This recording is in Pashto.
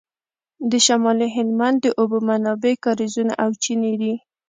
د شمالي هلمند د اوبو منابع کاریزونه او چینې دي